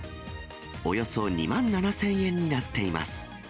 およそ２万７０００円になっています。